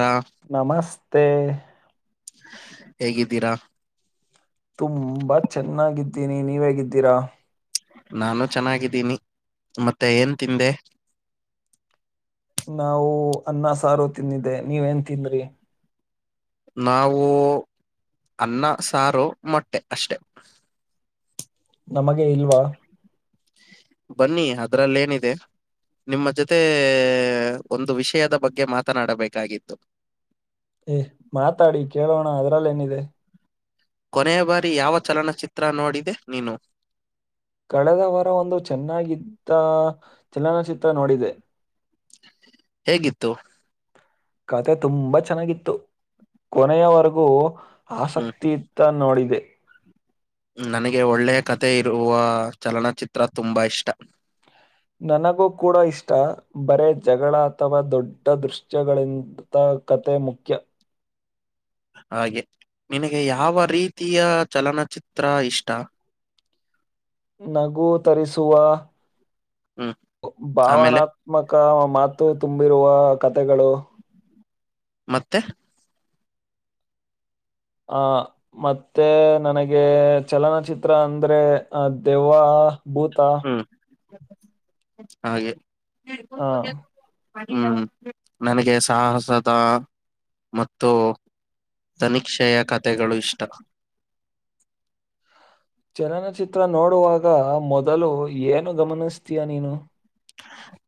ಹಾ ನಮಸ್ತೆ ಹೇಗಿದ್ದೀರಾ ತುಂಬಾ ಚೆನ್ನಾಗಿದ್ದೀನಿ ನೀವ್ ಹೇಗಿದ್ದೀರಾ. ನಾನು ಚೆನ್ನಾಗಿದ್ದೀನಿ ಮತ್ತೆ ಏನ್ ತಿಂದೆ. ನಾವು ಅನ್ನ ಸಾರು ತಿಂದಿದ್ದೆ ನೀವ್ ಏನ್ ತಿಂದ್ರಿ. ನಾವು ಅನ್ನ ಸಾರು ಮೊಟ್ಟೆ ಅಷ್ಟೆ. ನಮಗೆ ಇಲ್ವಾ. ಬನ್ನಿ ಅದ್ರಲ್ಲೇನಿದೆ. ನಿಮ್ಮ ಜೊತೆ ಒಂದು ವಿಷಯದ ಬಗ್ಗೆ ಮಾತನಾಡಬೇಕಾಗಿತ್ತು. ಏ ಮಾತಾಡಿ ಕೇಳೋಣ ಅದ್ರಲ್ಲೇನಿದೆ. ಕೊನೆಯ ಬಾರಿ ಯಾವ ಚಲನಚಿತ್ರ ನೋಡಿದೆ ನೀನು. ಕಳೆದ ವಾರ ಒಂದು ಚೆನ್ನಾಗಿದ್ದ ಚಲನಚಿತ್ರ ನೋಡಿದೆ. ಹೇಗಿತ್ತು ಕತೆ ತುಂಬಾ ಚೆನ್ನಾಗಿತ್ತು ಕೊನೆಯವರೆಗೂ ಹ್ಮ್ ಆಸಕ್ತಿ ಇತ್ತ್ ನೋಡಿದೆ ನನಗೆ ಒಳ್ಳೆಯ ಕತೆ ಇರುವ ಚಲನಚಿತ್ರ ತುಂಬಾ ಇಷ್ಟ. ನನಗೂ ಕೂಡ ಇಷ್ಟ ಬರೇ ಜಗಳ ಅಥವಾ ದೊಡ್ಡ ದೃಶ್ಯಗಳಿಂದ್ [unintelligible] ತ್ತ ಕತೆ ಮುಖ್ಯ. ಹಾಗೆ ನಿನಗೆ ಯಾವ ರೀತಿಯ ಚಲನಚಿತ್ರ ಇಷ್ಟ. ನಗು ತರಿಸುವ ಹ್ಮ್ ಆಮೇಲೆ ಭಾವನಾತ್ [unintelligible] ಮಕ ಮಾತು ತುಂಬಿರುವ ಕತೆಗಳು. ಮತ್ತೆ ಆ ಮತ್ತೆ ನನಗೆ ಚಲನಚಿತ್ರ ಅಂದ್ರೆ ಅ ದೆವ್ವ ಭೂತ. ಹ್ಮ್ ಹಾಗೆ. ಹಾ ಹ್ಮ್ ನನಗೆ ಸಾಹಸದ ಮತ್ತು ತನಿಕ್ಷೆಯ ಕಥೆಗಳು ಇಷ್ಟಾ ಚಲನಚಿತ್ರ ನೋಡುವಾಗ ಮೊದಲು ಏನು ಗಮನಿಸ್ತೀಯಾ ನೀನು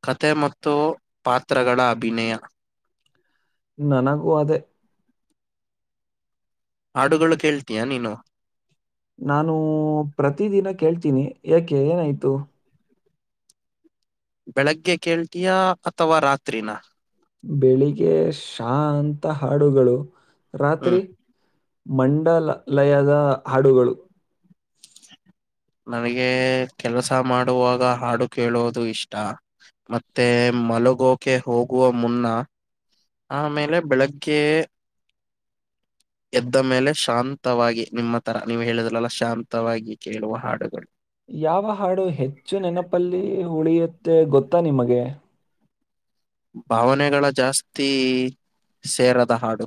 ಕತೆ ಮತ್ತು ಪಾತ್ರಗಳ ಅಭಿನಯ ನನಗೂ ಅದೇ ಹಾಡುಗಳು ಕೇಳ್ತೀಯಾ ನೀನು ನಾನು ಪ್ರತಿ ದಿನ ಕೇಳ್ತೀನಿ ಯಾಕೆ ಏನಾಯ್ತು ಬೆಳಗ್ಗೆ ಕೇಳ್ತೀಯಾ ಅಥವಾ ರಾತ್ರಿನಾ ಬೆಳಿಗ್ಗೆ ಶಾಂತ ಹಾಡುಗಳು ಹ್ಮ್. ರಾತ್ರಿ ಮಂಡಲ ಲಯದ ಹಾಡುಗಳು ನನಗೆ ಕೆಲಸ ಮಾಡುವಾಗ ಹಾಡು ಕೇಳುವುದು ಇಷ್ಟ ಮತ್ತೆ ಮಲಗೋಕೆ ಹೋಗುವ ಮುನ್ನ ಆಮೇಲೆ ಬೆಳಗ್ಗೆ ಎದ್ದ ಮೇಲೆ ಶಾಂತವಾಗಿ ನಿಮ್ಮ ತರ ನೀವು ಹೇಳಿದ್ರಲ್ಲ ಶಾಂತವಾಗಿ ಕೇಳುವ ಹಾಡುಗಳು ಯಾವ ಹಾಡು ಹೆಚ್ಚು ನೆನಪಲ್ಲಿ ಉಳಿಯುತ್ತೆ ಗೊತ್ತಾ ನಿಮಗೆ ಭಾವನೆಗಳ ಜಾಸ್ತಿ ಸೇರದ ಹಾಡು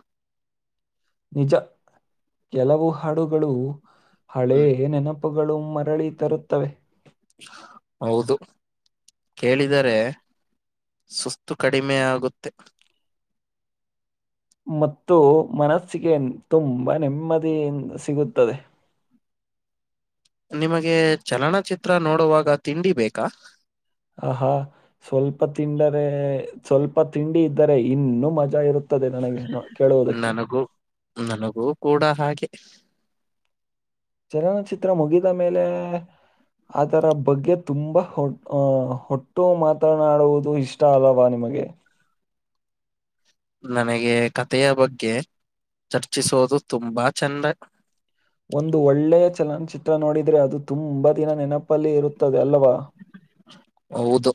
ನಿಜ ಕೆಲವು ಹಾಡುಗಳು ಹಳೇ ಹ್ಮ್. ನೆನಪು ನೆನಪ್ಪುಗಳು ಮರಳಿ ತರುತ್ತವೆ ಹೌದು ಕೇಳಿದರೆ ಸುಸ್ತು ಕಡಿಮೆ ಆಗುತ್ತೆ ಮತ್ತು ಮನಸ್ಸಿಗೆ ತುಂಬಾ ನೆಮ್ಮದಿಯ ಸಿಗುತ್ತದೆ ನಿಮಗೆ ಚಲನಚಿತ್ರ ನೋಡುವಾಗ ತಿಂಡಿ ಬೇಕಾ ಆಹಾ ಸ್ವಲ್ಪ ತಿಂಡರೆ ಸ್ವಲ್ಪ ತಿಂಡಿ ಇದ್ದರೆ ಇನ್ನು ಮಜಾ ಇರುತ್ತೆ ನನಗೆ ಕೇಳುವುದಕ್ಕೆ ನನಗೂ ನನಗೂ ಕೂಡ ಹಾಗೆ ಚಲನಚಿತ್ರ ಮುಗಿದ ಮೇಲೆ ಅದರ ಬಗ್ಗೆ ತುಂಬ ಹೊ ಹೊಟ್ಟು ಮಾತನಾಡುವುದು ಇಷ್ಟ ಅಲ್ಲವಾ ನಿಮಗೆ ನನಗೆ ಕಥೆಯ ಬಗ್ಗೆ ಚರ್ಚಿಸೋುದು ತುಂಬಾ ಚಂದ ಒಂದು ಒಳ್ಳೆಯ ಚಲನಚಿತ್ರ ನೋಡಿದ್ರೆ ಅದು ತುಂಬಾ ದಿನ ನೆನಪಲ್ಲಿ ಇರುತ್ತದೆ ಅಲ್ಲವ ಹೌದು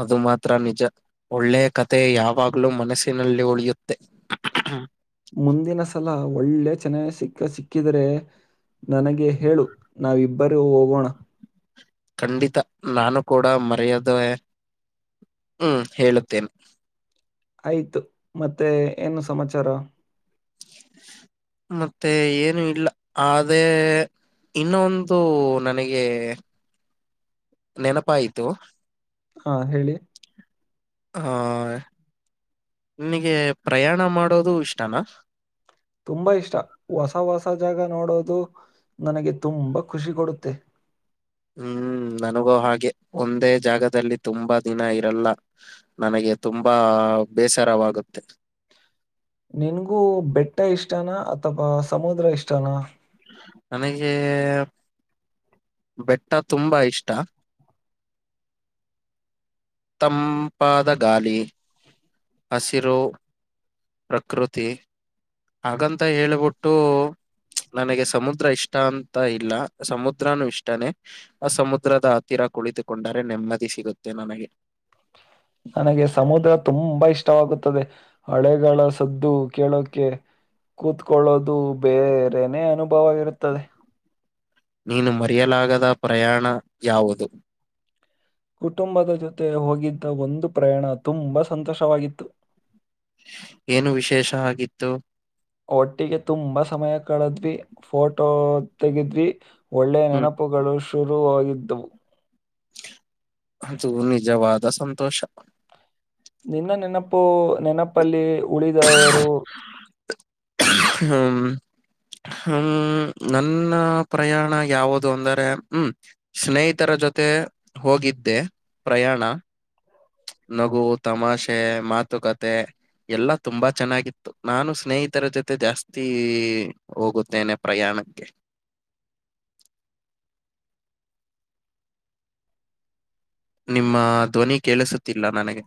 ಅದು ಮಾತ್ರ ನಿಜ ಒಳ್ಳೆಯ ಕತೆೆ ಯಾವಾಗ್ಲೂ ಮನಸ್ಸಿನಲ್ಲಿ ಉಳಿಯುತ್ತೆ ಮುಂದಿನ ಸಲ ಒಳ್ಳೆ ಚೆನ್ನ ಸಿಕ್ಕ ಸಿಕ್ಕಿದ್ರೆ ನನಗೆ ಹೇಳು ನಾವಿಬ್ಬರೇ ಹೋಗೋಣ ಖಂಡಿತ ನಾನು ಕೂಡ ಮರೆಯದೆ ಹ್ಮ್ ಹೇಳುತ್ತೇನೆ ಆಯ್ತು ಮತ್ತೆ ಏನು ಸಮಾಚಾರ ಮತ್ತೆ ಏನು ಇಲ್ಲ ಅದೇ ಇನ್ನೊಂದು ನನಗೆ ನೆನಪಾಯಯ್ತು ಹಾ ಹೇಳಿ ಹಾ ನಿನಗೆ ಪ್ರಯಾಣ ಮಾಡೋದು ಇಷ್ಟನಾ ತುಂಬಾ ಇಷ್ಟ ಹೊಸ ಹೊಸ ಜಾಗ ನೋಡೋದು ನನಗೆ ತುಂಬಾ ಖುಷಿ ಕೊಡುತ್ತೆ ಹ್ಮ್ ನನಗೂ ಹಾಗೆ ಒಂದೇ ಜಾಗದಲ್ಲಿ ತುಂಬಾ ದಿನ ಇರಲ್ಲ ನನಗೆ ತುಂಬಾ ಬೇಸರವಾಗುತ್ತೆ ನಿನ್ಗೂ ಬೆಟ್ಟ ಇಷ್ಟನಾ ಅಥವಾ ಸಮುದ್ರ ಇಷ್ಟನಾ ನನಗೆ ಬೆಟ್ಟ ತುಂಬಾ ಇಷ್ಟ. ತಂಪಾದ ಗಾಳಿ ಹಸಿರು. ಪ್ರಕೃತಿ ಹಾಗಂತ ಹೇಳ್ಬಿಟ್ಟು ನನಗೆ ಸಮುದ್ರ ಇಷ್ಟ ಅಂತ ಇಲ್ಲ ಸಮುದ್ರನು ಇಷ್ಟಾನೇ ಆ ಸಮುದ್ರದ ಹತ್ತಿರ ಕುಳಿತುಕೊಂಡರೆ ನೆಮ್ಮದಿ ಸಿಗುತ್ತೆ ನನಗೆ. ನನಗೆ ಸಮುದ್ರ ತುಂಬಾ ಇಷ್ಟವಾಗುತ್ತದೆ ಅಲೆಗಳ ಸದ್ದು ಕೇಳೋಕೆ ಕೂತ್ಕೊಳ್ಳೋದು ಬೇರೆನೇ ಅನುಭವ ಇರುತ್ತದೆ ಅದು. ನೀನು ಮರೆಯಲಾಗದ ಪ್ರಯಾಣ ಯಾವುದು? ಕುಟುಂಬದ ಜೊತೆ ಹೋಗಿದ್ದ ಒಂದು ಪ್ರಯಾಣ ತುಂಬಾ ಸಂತೋಷವಾಗಿತ್ತು. ಏನು ವಿಶೇಷ ಆಗಿತ್ತು? ಒಟ್ಟಿಗೆ ತುಂಬಾ ಸಮಯ ಕಳದ್ವಿ ಫೋಟೋ ತೆಗಿದ್ವಿ ಒಳ್ಳೆ ಹ್ಮ್ ನೆನಪುಗಳು ಶುರುವರುವಾಗಿದ್ದು. ಅದು ನಿಜವಾದ ಸಂತೋಷ. ನಿನ್ನ ನೆನಪು ನೆನಪಲ್ಲಿ ಉಳಿದವರು ಹ್ಮ್ ಹ್ಮ ನನ್ನ ಪ್ರಯಾಣ ಯಾವುದು ಅಂದರೆ ಹ್ಮ್? ಸ್ನೇಹಿತರ ಜೊತೆ ಹೋಗಿದ್ದೆ ಪ್ರಯಾಣ. ನಗು ತಮಾಷೆ ಮಾತುಕತೆ ಎಲ್ಲಾ ತುಂಬಾ ಚೆನ್ನಾಗಿತ್ತು ನಾನು ಸ್ನೇಹಿತರ ಜೊತೆ ಜಾಸ್ತಿ ಹೋಗುತ್ತೇನೆ. ಪ್ರಯಾಣಕ್ಕೆ ನಿಮ್ಮ ಧ್ವನಿ ಕೇಳಿಸುತ್ತಿಲ್ಲ ನನಗೆ?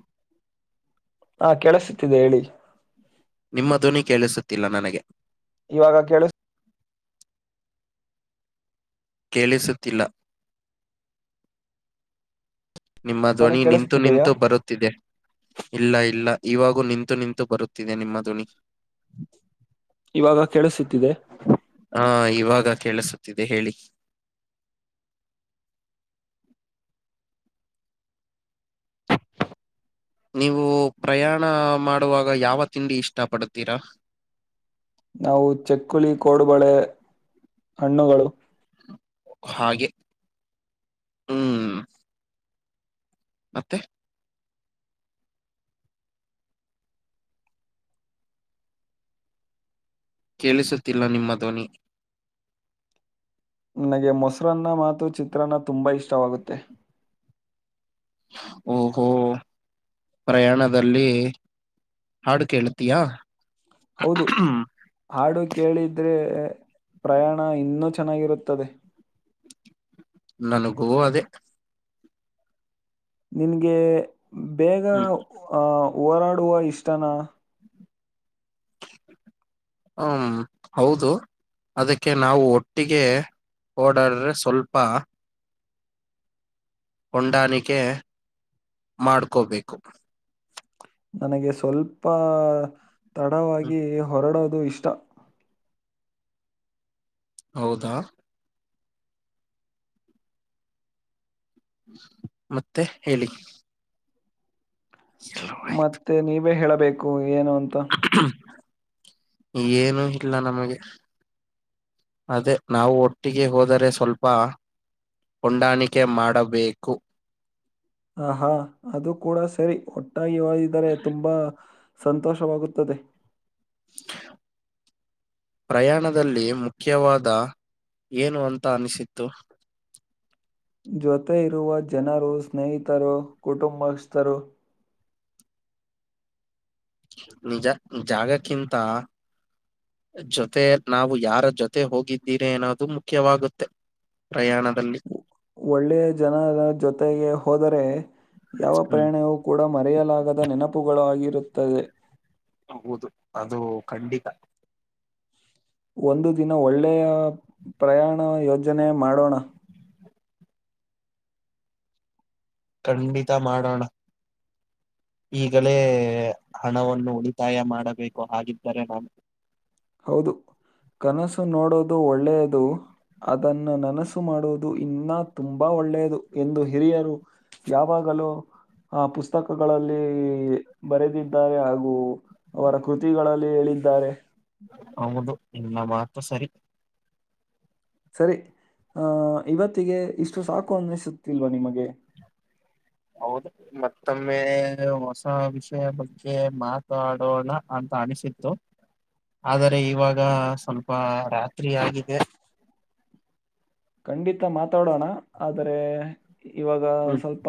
ಹಾ ಕೆೇಳಸತಿದೆ ಹೇಳಿ ನಿಮ್ಮ ಧ್ವನಿ ಕೇಳಿಸುತ್ತಿಲ್ಲ ನನಗೆ..? ಇವಾಗ ಕೇಳಿಸ್ತೀದ್ಯಾ ಕೇಳಿಸುತ್ತಿಲ್ಲ ನಿಮ್ಮ ಧ್ವನಿ ನಿಂತು ನಿಂತು ಬರುತ್ತಿದೆ ಇಲ್ಲ ಇಲ್ಲ ಇವಾಗೂ ನಿಂತು ನಿಂತು ಬರುತ್ತಿದೆ ನಿಮ್ಮ ಧ್ವನಿ ಇವಾಗ ಕೇಳಿಸುತ್ತಿದೆ ಹಾ ಇವಾಗ ಕೇಳಸುತ್ತಿದೆ ಹೇಳಿ ನೀವು ಪ್ರಯಾಣ ಮಾಡುವಾಗ ಯಾವ ತಿಂಡಿ ಇಷ್ಟ ಪಡತೀರಾ? ನಾವು ಚಕ್ಕುಳಿ ಕೋಡುಬಳೆ ಹಣ್ಣುಗಳು ಹಾಗೆ ಹ್ಮ್ ಮತ್ತೆ ಕೇಳಿಸುತ್ತಿಲ್ಲ ನಿಮ್ಮ ಧ್ವನಿ ನನಗೆ ಮೊಸರನ್ನ ಮಾತು ಚಿತ್ರಾನ್ನ ತುಂಬಾ ಇಷ್ಟವಾಗುತ್ತೆ ಓಹೋ ಪ್ರಯಾಣದಲ್ಲಿ ಹಾಡು ಕೇಳುತಿಯ? ಹೌದು ಹಾಡು ಕೇಳಿದ್ರೆ ಪ್ರಯಾಣ ಇನ್ನೂ ಚೆನ್ನಾಗಿರುತ್ತದೆ. ನನಗೂ ಅದೇ ನಿನ್ಗೆ ಬೇಗ ಹ್ಮ್ ಅ ಹೋರಾಡುವ ಇಷ್ಟನಾ? ಹ್ಮ್ ಹೌದು ಅದಕ್ಕೆ ನಾವು ಒಟ್ಟಿಗೆ ಓಡಡಿದ್ರೆ ಸ್ವಲ್ಪ. ಹೊಂದಾಣಿಕೆ ಮಾಡ್ಕೋಬೇಕು ನನಗೆ ಸ್ವಲ್ಪ ಹ್ಮ್, ತಡವಾಗಿ ಹೊರಡೋದು ಇಷ್ಟ ಹೌದಾ ಮತ್ತೆ ಹೇಳಿ ಮತ್ತೆ ನೀವೇ ಹೇಳಬೇಕು ಏನು ಅಂತ ಏನುೂ ಇಲ್ಲ ನಮಗೆ ಅದೇ ನಾವು ಒಟ್ಟಿಗೆ ಹೋದರೆ ಸ್ವಲ್ಪ ಹೊಂದಾಣಿಕೆ ಮಾಡಬೇಕು ಹ ಹಾ ಅದು ಕೂಡ ಸರಿ ಒಟ್ಟಾಗಿ ಒದಿದರೆ ತುಂಬಾ ಸಂತೋಷವಾಗುತ್ತದೆ [inaudible] ಪ್ರಯಾಣದಲ್ಲಿ ಮುಖ್ಯವಾದ ಏನು ಅಂತ ಅನಿಸಿತ್ತು ಜೊತೆ ಇರುವ ಜನರು ಸ್ನೇಹಿತರು ಕುಟುಂಬಸ್ಥರು ನಿಜ ಜಾಗಕ್ಕಿಂತ ಜೊತೆ ನಾವು ಯಾರ ಜೊತೆ ಹೋಗಿದ್ದೀರಿ ಅನ್ನೋದು ಮುಖ್ಯವಾಗುತ್ತೆ ಪ್ರಯಾಣದಲ್ಲಿ ಒ- ಒಳ್ಳೆಯ ಜನರ ಜೊತೆಗೆ ಹೋದರೆ ಯಾವ ಹ್ಮ್ ಪ್ರಯಾಣವು ಕೂಡ ಮರೆಯಲಾಗದ ನೆನಪುಗಳು ಆಗಿರುತ್ತದೆ ಹೌದು ಅದು ಖಂಡಿತ ಒಂದು ದಿನ ಒಳ್ಳೆಯ ಪ್ರಯಾಣ ಯೋಜನೆ ಮಾಡೋಣ ಖಂಡಿತ ಮಾಡೋಣ ಈಗಲೇ ಹಣವನ್ನು ಉಳಿತಾಯ ಮಾಡಬೇಕು ಹಾಗಿದ್ದರೆ ನಾನು ಹೌದು ಕನಸು ನೋಡೋದು ಒಳ್ಳೆಯದು ಅದನ್ನ ನನಸು ಮಾಡುವುದು ಇನ್ನ ತುಂಬಾ ಒಳ್ಳೆಯದು ಎಂದು ಹಿರಿಯರು ಯಾವಾಗಲೂ ಆ ಪುಸ್ತಕಗಳಲ್ಲಿ ಬರೆದಿದ್ದಾರೆ ಹಾಗೂ ಅವರ ಕೃತಿಗಳಲ್ಲಿ ಹೇಳಿದ್ದಾರೆ ಹೌದು ನಿಮ್ಮ ಮಾತು ಸರಿ ಸರಿ ಆ ಇವತ್ತಿಗೆ ಇಷ್ಟು ಸಾಕು ಅನ್ನಿಸುತ್ತಿಲ್ವಾ ನಿಮಗೆ ಹೌದು ಮತ್ತೊಮ್ಮೆ ಹೊಸ ವಿಷಯ ಬಗ್ಗೆ ಮಾತಾಡೋಣ ಅಂತ ಅನಿಸಿತ್ತು. ಆದರೆ ಇವಾಗ ಸ್ವಲ್ಪ ರಾತ್ರಿ ಆಗಿದೆ ಖಂಡಿತ ಮಾತಾಡೋಣ ಆದ್ರೆ ಇವಾಗ ಹ್ಮ್ ಸ್ವಲ್ಪ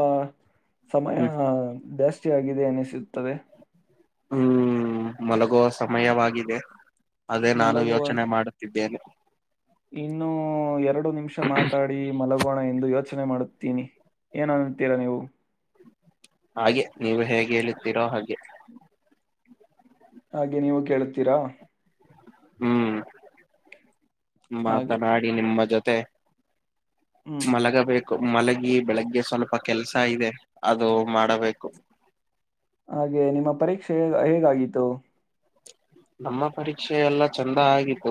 ಹ್ಮ್ ಸಮಯ ಜಾಸ್ತಿಯಗಿದೆ ಅನಿಸುತ್ತದೆ ಹ್ಮ್ ಮಲಗುವ ಸಮಯವಾಗಿದೆ ಅದೇ ನಾನು ಮಲಗುವ ಯೋಚನೆ ಮಾಡ ಮಾಡುತಿದ್ದೇನೆ ಇನ್ನು ಎರಡು ನಿಮಿಷ ಮಾತಾಡಿ ಮಲಗೋಣ ಎಂದು ಯೋಚನೆ ಮಾಡುತ್ತ ತಿನಿ ಏನ ಅನ್ತೀರಾ ನೀವು ಹಾಗೆ ನೀವು ಹೇಗೆ ಹೇಳುತ್ತೀರೋ ಹಾಗೆ ಹಾಗೆ ನೀವು ಕೇಳುತ್ತೀರಾ ಹ್ಮ್ ಹಾಗೆ ಮಾತನಾಡಿ ನಿಮ್ಮ ಜೊತೆ ಹ್ಮ್ ಮಲಗಬೇಕು ಮಲಗಿ ಬೆಳಗ್ಗೆ ಸ್ವಲ್ಪ ಕೆಲ್ಸ ಇದೆ ಅದು ಮಾಡಬೇಕು ಹಾಗೆ ನಿಮ್ಮ ಪರೀಕ್ಷೆ ಹೇಗಾಗಿತ್ತು ನಮ್ಮ ಪರೀಕ್ಷೆ ಎಲ್ಲ ಚಂದ ಆಗಿತ್ತು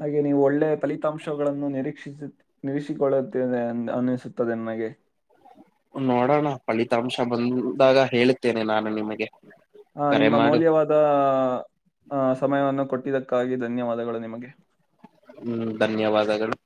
ಹಾಗೆ ನೀವು ಒಳ್ಳೆ ಫಲಿತಾಂಶಗಳನ್ನು ನಿರೀಕ್ಷಿಸ ನಿಿಸಿಕೊಳ್ಳುತ್ತೇನೆ ಅನ್ನಿಸುತ್ತದೆ ನಮಗೆ ನೋಡೋಣ ಫಲಿತಾಂಶ ಬಂದಾಗ ಹೇಳ್ತ್ತೇನೆ ನಾನು ನಿಮಗೆ ಹಾಂ ಕರೆ ನಿಮ್ಮ ಮಾಡು ಮೌಲ್ಯವಾದ ಸಮಯವನ್ನು ಕೊಟ್ಟಿದ್ದಕ್ಕಾಗಿ ಧನ್ಯವಾದಗಳು ನಿಮಗೆ ಹ್ಮ್ ಧನ್ಯವಾದಗಳು